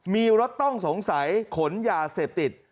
มีรถต้องสงสัยขนยาเสพติด